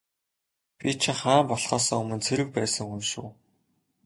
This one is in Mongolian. Би чинь хаан болохоосоо өмнө цэрэг байсан хүн шүү.